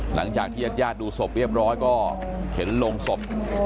หลังจากที่ญาติญาติดูศพเรียบร้อยก็เห็นโรงศพ